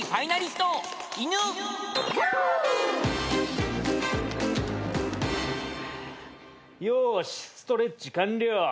ストレッチ完了。